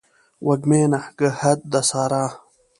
وږمې نګهت د سارا